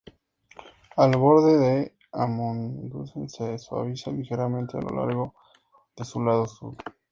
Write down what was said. El borde de Amundsen se suaviza ligeramente a lo largo de su lado sur.